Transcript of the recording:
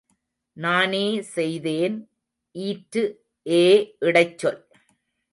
நானே செய்தேன் ஈற்று ஏ இடைச் சொல்.